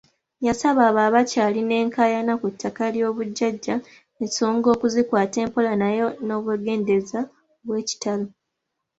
Yasaba abo abakyalina enkaayana ku ttaka ly'obujjajja ensonga okuzikwata empola naye n'obwegendereza obwekitalo.